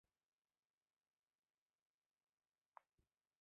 Tenía doce años cuando escribió una corta obra teatral.